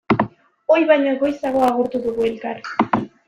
Ohi baino goizago agurtu dugu elkar.